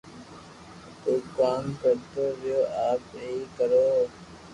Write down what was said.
تو ڪوم ڪرتو رھيو آپ اي ڪرو